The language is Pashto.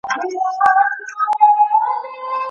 هغه وویل چې د مېوې پوستکی هم ویټامین لري.